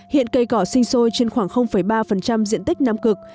hiện cây cỏ sinh sôi trên khoảng ba diện tích nam cực